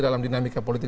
dalam dinamika politik